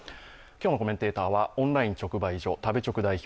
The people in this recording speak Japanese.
今日のコメンテーターはオンライン直売所・食べチョク代表